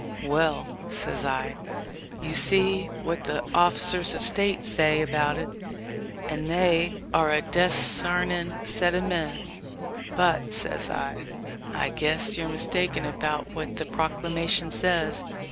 "Well," says I, "you see what the officers of State say about it, and they are a desarnin' set of men. THE LIFE OF LINCOLN. 235 "But," says I, "I guess you're mistaken about what the proclamation says.